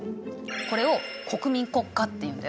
これを国民国家っていうんだよ。